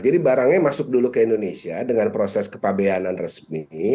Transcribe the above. jadi barangnya masuk dulu ke indonesia dengan proses kepabeanan resmi